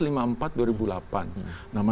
namanya rencana tata ruang kawasan